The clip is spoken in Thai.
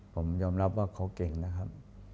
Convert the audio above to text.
ผมยอมรับว่าเขาเก่งนะครับ